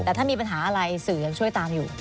แต่ถ้ามีปัญหาอะไรสื่อยังช่วยตามอยู่